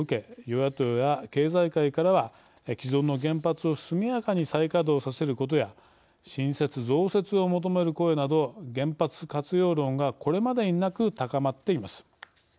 与野党や経済界からは既存の原発を速やかに再稼働させることや新設、増設を求める声など原発活用論がこれまでになく高まっています。